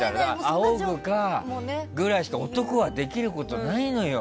あおぐぐらいしか男はできることないのよ。